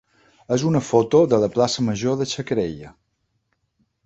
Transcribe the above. és una foto de la plaça major de Xacarella.